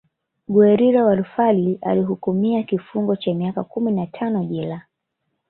Guerrilla warfar Alihukumia kifungo cha miaka kumi na tano jela